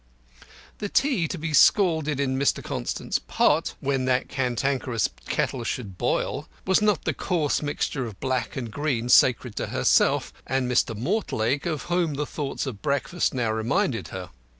The tea to be scalded in Mr. Constant's pot, when that cantankerous kettle should boil, was not the coarse mixture of black and green sacred to herself and Mr. Mortlake, of whom the thoughts of breakfast now reminded her.